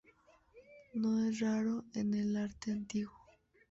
No es raro en el arte antiguo.